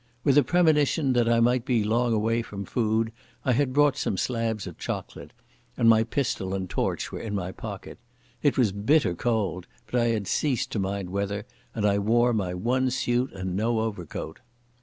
With a premonition that I might be long away from food, I had brought some slabs of chocolate, and my pistol and torch were in my pocket. It was bitter cold, but I had ceased to mind weather, and I wore my one suit and no overcoat.